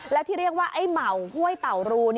แล้วที่เรียกว่าไอ้เหมาห้วยเต่ารู